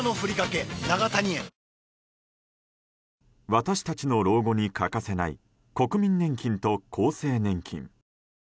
私たちの老後に欠かせない国民民主党と厚生年金。